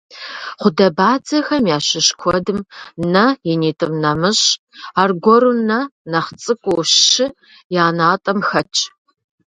Гъудэбадзэхэм ящыщ куэдым, нэ инитӏым нэмыщӏ, аргуэру нэ нэхъ цӏыкӏуу щы я натӏэм хэтщ.